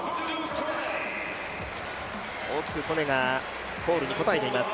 大きくコネがコールに応えています。